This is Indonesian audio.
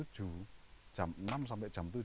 jam enam sampai jam tujuh